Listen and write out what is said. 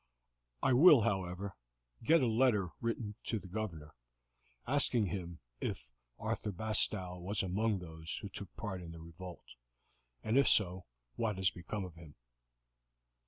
I will, however, get a letter written to the Governor, asking him if Arthur Bastow was among those who took part in the revolt, and if so what has become of him."